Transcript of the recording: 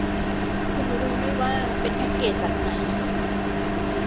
คุณรู้มั้ยว่าเป็นแพ็คเกจแบบไหน